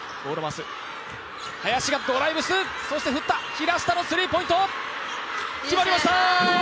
平下のスリーポイント、決まりました！